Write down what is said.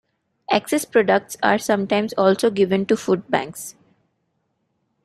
Excess products are sometimes also given to foods banks.